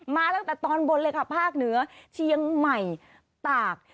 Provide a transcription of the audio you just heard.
มาตั้งแต่ตอนบนเลยค่ะภาคเหนือเชียงใหม่ตาก